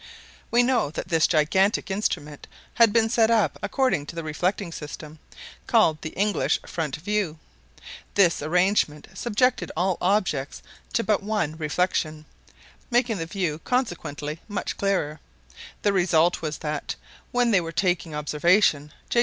We know that this gigantic instrument had been set up according to the reflecting system, called by the English "front view." This arrangement subjected all objects to but one reflection, making the view consequently much clearer; the result was that, when they were taking observation, J.